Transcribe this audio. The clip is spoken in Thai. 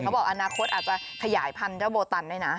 เขาบอกอนาคตอาจจะขยายพันธุ์เจ้าโบตันได้นะ